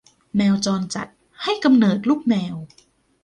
แมวจรจัดให้กำเนิดลูกแมว